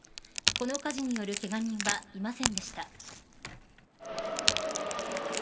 この火事によるケガ人はいませんでした。